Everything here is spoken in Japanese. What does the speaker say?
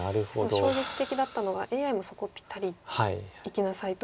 しかも衝撃的だったのがＡＩもそこぴったりいきなさいと。